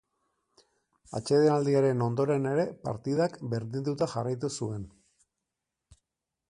Atsedenaldiaren ondoren ere partidak berdinduta jarraitu zuen.